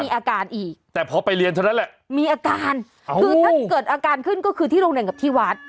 อาการอีกแต่พอไปเรียนเท่านั้นแหละมีอาการคือถ้าเกิดอาการขึ้นก็คือที่โรงเรียนกับที่วัด